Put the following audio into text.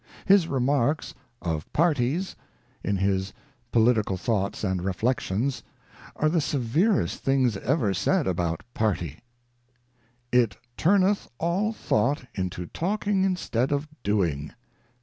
His remarks Of Parties in his Political Thoughts and Reflections are the severest things ever said about Party :' It turneth all Thought into talking instead of doing.